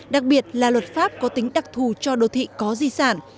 đặc biệt là luật pháp có tính đặc thù cho đô thị có di sản